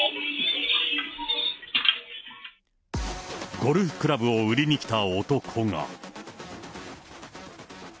ゴルフクラブを売りに来た男が。